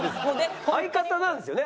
相方なんですよね？